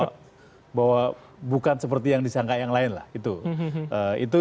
bahwa bukan seperti yang disangka yang lain lah itu